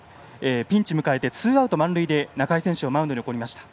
ピンチを迎えてツーアウト満塁で仲井選手をマウンドに送りました。